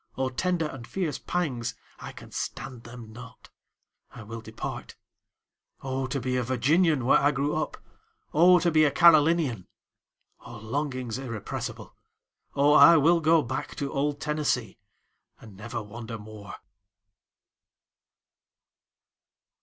O tender and fierce pangs—I can stand them not—I will depart;O to be a Virginian, where I grew up! O to be a Carolinian!O longings irrepressible! O I will go back to old Tennessee, and never wander more!